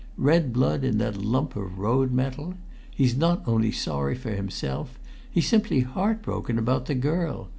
Red blood in that lump of road metal! He's not only sorry for himself. He's simply heartbroken about the girl.